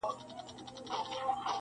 لکه چي جوړ سو -